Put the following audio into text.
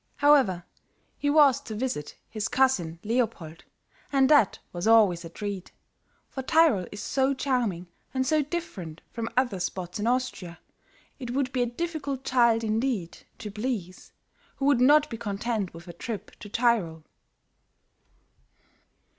However, he was to visit his cousin Leopold, and that was always a treat, for Tyrol is so charming and so different from other spots in Austria, it would be a difficult child, indeed, to please, who would not be content with a trip to Tyrol.